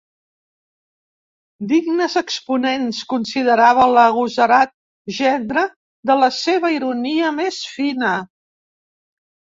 Dignes exponents, considerava l'agosarat gendre, de la seva ironia més fina.